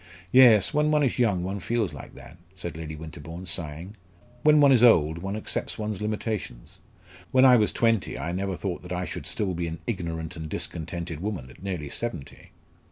"Yes, when one is young one feels like that," said Lady Winterbourne, sighing. "When one is old one accepts one's limitations. When I was twenty I never thought that I should still be an ignorant and discontented woman at nearly seventy."